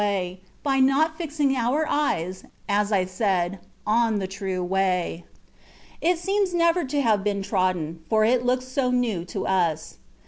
way, by not fixing our eyes (as I said) on the true way. It seems never to have been trodden, for it looks so new to us.